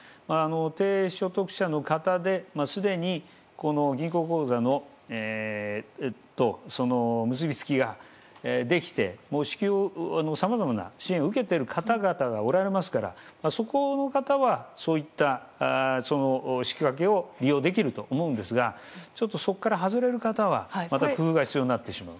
低所得者の方で、すでに銀行口座の結びつきができてもう支給、さまざまな支援を受けておられる方がおられますからそこの方はそういった支給分けを利用できると思うんですがちょっとそこから外れる方はまた工夫が必要になってしまう。